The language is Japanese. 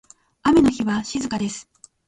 雨の日は静かです。